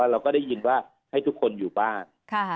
เราก็ได้ยินว่าให้ทุกคนอยู่บ้าน